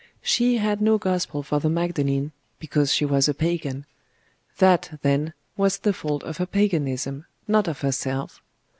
She had no Gospel for the Magdalene, because she was a Pagan.... That, then, was the fault of her Paganism, not of herself.